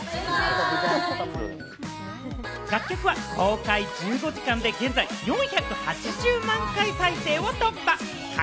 楽曲は公開１５時間で現在４８０万回超えを突破。